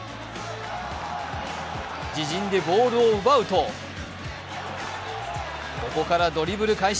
自陣でボールを奪うとここからドリブル開始。